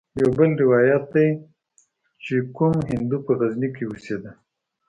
يو بل روايت ديه چې کوم هندو په غزني کښې اوسېده.